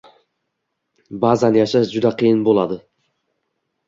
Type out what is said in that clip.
Ba’zan yashash juda qiyin bo‘ladi.